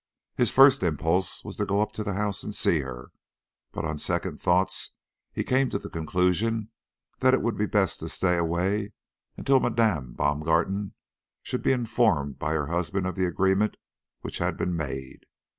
His first impulse was to go up to the house and see her, but on second thoughts he came to the conclusion that it would be best to stay away until Madame Baumgarten should be informed by her husband of the agreement which had been made.